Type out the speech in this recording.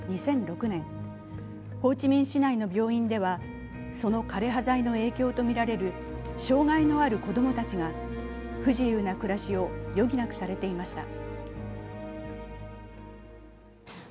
２００６年、ホーチミン市内の病院ではその枯葉剤の影響とみられる障害のある子供たちが不自由な暮らしを余儀なくされていました。